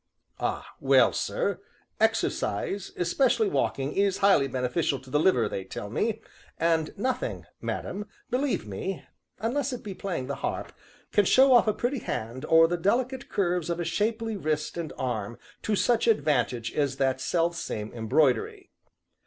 Ah well, sir! exercise, especially walking, is highly beneficial to the liver, they tell me and nothing, madam, believe me (unless it be playing the harp), can show off a pretty hand, or the delicate curves of a shapely wrist and arm to such advantage as that selfsame embroidery.